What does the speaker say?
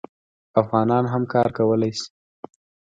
افغانان هم کار کولی شي.